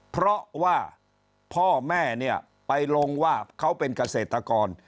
เพราะว่าพ่อแม่เนี่ยไปลงว่าเขาเป็นเกษตรกร